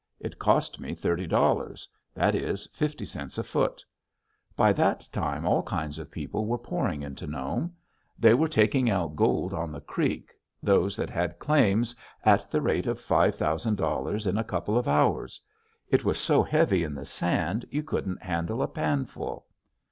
It cost me thirty dollars; that is, fifty cents a foot. By that time all kinds of people were pouring into Nome. They were taking out gold on the creek, those that had claims, at the rate of $5000 in a couple of hours. It was so heavy in the sand you couldn't handle a pan full.